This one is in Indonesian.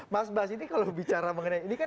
mas bas ini kalau bicara mengenai ini kan